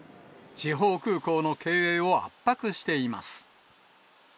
地方空港の経営を圧迫しています。